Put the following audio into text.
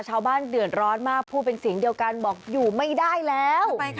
ชาวบ้านเดือดร้อนมากพูดเป็นเสียงเดียวกันบอกอยู่ไม่ได้แล้ว